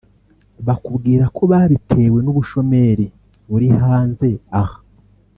bakubwira ko babiterwa n’ubushomeri buri hanze aha